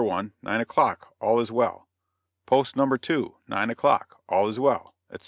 1, nine o'clock, all is well! Post No. 2, nine o'clock, all is well!" etc.